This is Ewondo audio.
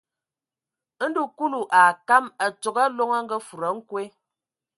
Ndo Kulu a akam a tsogo Aloŋ a ngafudi a nkwe.